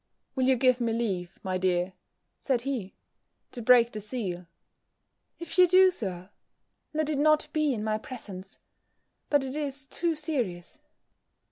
"Will you give me leave, my dear," said he, "to break the seal?" "If you do, Sir, let it not be in my presence; but it is too serious."